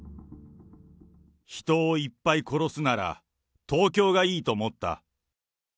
人をいっぱい殺すなら、東京がいいと思った。